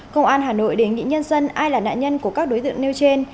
công an hà nội đến nhị nhân dân ai là nạn nhân của các đối tượng nêu trên